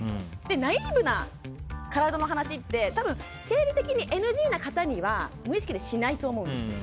ナイーブな体の話って多分、生理的にＮＧな方には無意識でしないと思うんですよ。